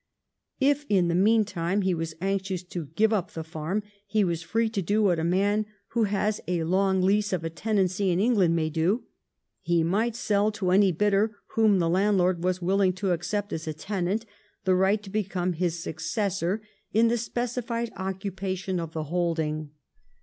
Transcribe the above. If in the meantime he was anxious to give up the farm, he was free to do what a man who has a long lease of a tenancy in England may do — he might sell to any bidder, whom the landlord was willing to accept as a tenant, the right to become his successor in the specified occupation of the holding.